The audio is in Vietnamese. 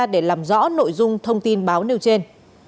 để làm rõ nội dung thông tin báo nêu trên